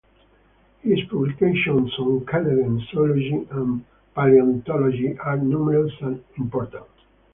His publications on Canadian zoology and palaeontology are numerous and important.